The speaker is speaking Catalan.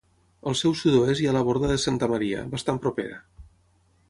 Al seu sud-oest hi ha la Borda de Santa Maria, bastant propera.